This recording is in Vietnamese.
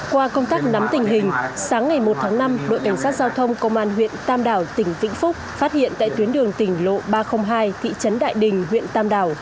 qua công tác nắm tình hình sáng ngày một tháng năm đội cảnh sát giao thông công an huyện tam đảo tỉnh vĩnh phúc phát hiện tại tuyến đường tỉnh lộ ba trăm linh hai thị trấn đại đình huyện tam đảo